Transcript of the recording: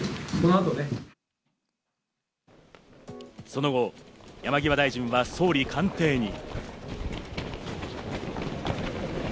その後、山際大臣は総理官邸に。